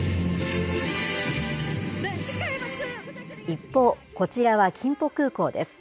一方、こちらはキンポ空港です。